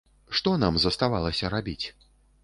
Што нам заставалася рабіць?